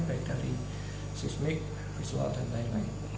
baik dari seismik visual dan lain lain